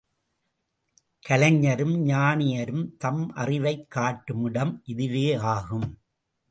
கலைஞரும், ஞானியரும் தம் அறிவைக் காட்டுமிடம் இதுவே ஆகும்.